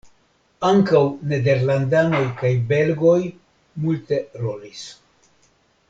Ankaŭ nederlandanoj kaj belgoj multe rolis.